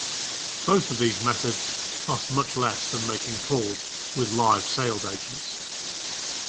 Both of these methods cost much less than making calls with live sales agents.